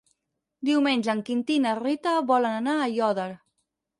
Diumenge en Quintí i na Rita volen anar a Aiòder.